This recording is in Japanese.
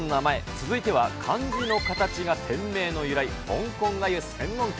続いては、漢字の形が店名の由来、香港がゆ専門店。